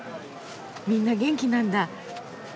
みんな元気なんだ。